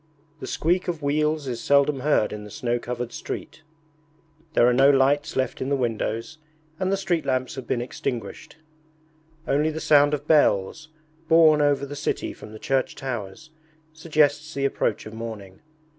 The squeak of wheels is seldom heard in the snow covered street. There are no lights left in the windows and the street lamps have been extinguished. Only the sound of bells, borne over the city from the church towers, suggests the approach of morning.